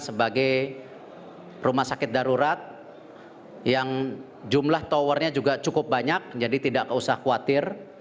sebagai rumah sakit darurat yang jumlah towernya juga cukup banyak jadi tidak usah khawatir